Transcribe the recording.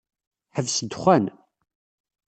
Ḥbes ddexxan.